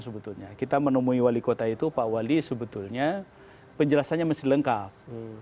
sebetulnya kita menemui wali kota itu pak wali sebetulnya penjelasannya mesti lengkap